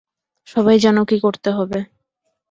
সবাই জানো কী করতে হবে।